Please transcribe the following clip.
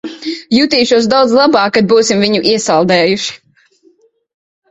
Jutīšos daudz labāk, kad būsim viņu iesaldējuši.